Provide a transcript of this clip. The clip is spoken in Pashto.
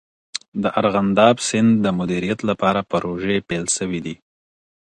د ارغنداب سیند د مدیریت لپاره پروژې پیل سوي دي.